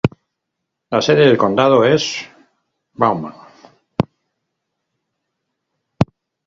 La sede del condado es Bowman.